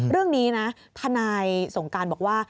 เรื่องนี้นะทนายสงการบอกว่า